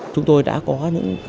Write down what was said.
chúng tôi đã có những